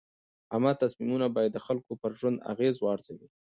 عامه تصمیمونه باید د خلکو پر ژوند اغېز وارزوي.